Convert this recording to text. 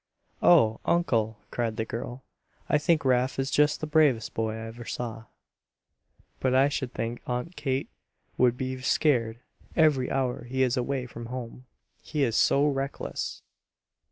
"Oh, Uncle!" cried the girl. "I think Rafe is just the bravest boy I ever saw. But I should think Aunt Kate would be scared every hour he is away from home, he is so reckless."